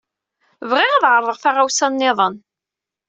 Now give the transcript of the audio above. Bɣiɣ ad ɛerḍeɣ taɣawsa niḍen.